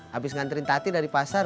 habis ngantri tati dari pasar